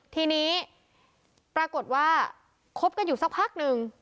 ทีนี้ปรากฏว่าคบกันอยู่สักพักหนึ่ง